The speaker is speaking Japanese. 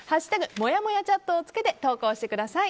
「＃もやもやチャット」をつけて投稿してください。